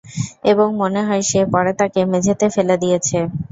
এবং, মনে হয় সে পরে তাকে মেঝেতে ফেলে দিয়েছে।